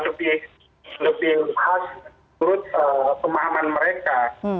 lebih khas menurut pemahaman mereka